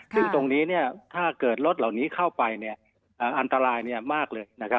ซึ่งตรงนี้ถ้าเกิดรถเหล่านี้เข้าไปอันตรายมากเลย